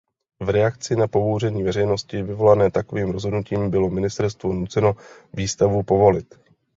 V reakci na pobouření veřejnosti vyvolané takovým rozhodnutím bylo ministerstvo nuceno výstavu povolit.